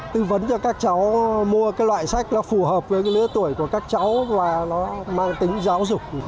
tư vấn cho các cháu mua cái loại sách nó phù hợp với lứa tuổi của các cháu và nó mang tính giáo dục